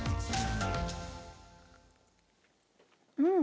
うん。